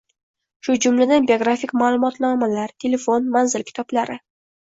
shu jumladan biografik ma’lumotnomalar, telefon, manzil kitoblari